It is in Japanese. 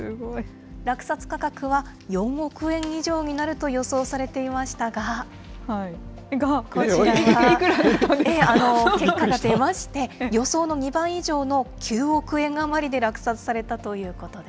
落札価格は４億円以上になるが、いくらになったんですか結果が出まして、予想の２倍以上の９億円余りで落札されたということで。